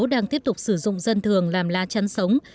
đang tiếp tục sử dụng dân thường làm lá chắn sống